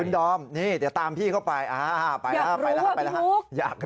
น้องน้ำผลร้าย